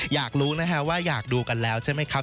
อยากรู้นะฮะว่าอยากดูกันแล้วใช่ไหมครับ